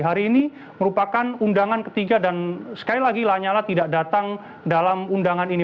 hari ini merupakan undangan ketiga dan sekali lagi lanyala tidak datang dalam undangan ini